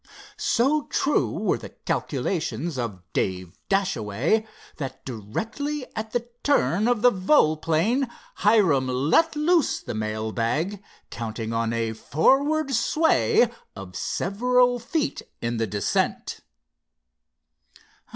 So true were the calculations of Dave Dashaway, that, directly at the turn of the volplane Hiram let loose the mail bag, counting on a forward sway of several feet in the descent.